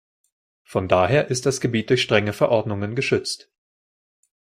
Von daher ist das Gebiet durch strenge Verordnungen geschützt.